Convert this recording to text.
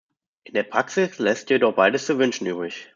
In der Praxis lässt jedoch beides zu wünschen übrig.